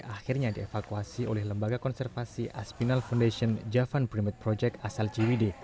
akhirnya dievakuasi oleh lembaga konservasi aspinal foundation javan primit project asal ciwide